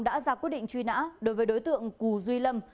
đã ra quyết định truy nã đối với đối tượng cù duy lâm